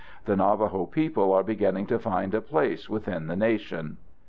The Navajo people are beginning to find a place within the Nation.